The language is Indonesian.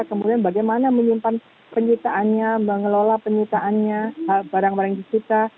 kemudian bagaimana menyimpan penyitaannya mengelola penyitaannya barang barang disita